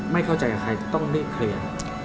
ไม่เข้าใจกับใครจะต้องรีบเคลียร์